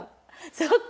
そっか！